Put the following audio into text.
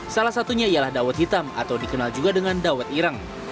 salah satunya ialah dawet hitam atau dikenal juga dengan dawet ireng